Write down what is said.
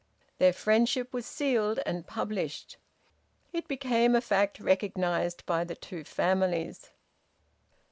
Their friendship was sealed and published; it became a fact recognised by the two families.